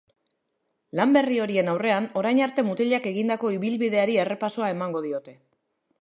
Lan berri horien aurrean orain arte mutilak egindako ibilbideari errepasoa emango diote.